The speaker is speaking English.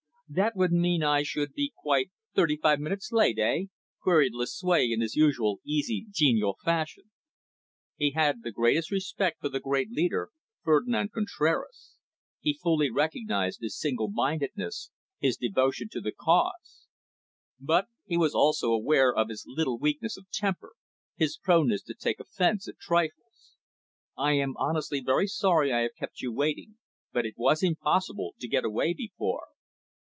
"That would mean I should be quite thirty five minutes late, eh?" queried Lucue in his usual easy, genial fashion. He had the greatest respect for the great leader, Ferdinand Contraras; he fully recognised his single mindedness, his devotion to the cause. But he was also aware of his little weaknesses of temper, his proneness to take offence at trifles. "I am honestly very sorry I have kept you waiting, but it was impossible to get away before."